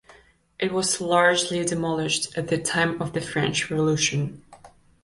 It was largely demolished at the time of the French Revolution.